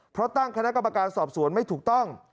เพราะตั้งคณะกรรมการสอบสวนไม่ถูกต้อง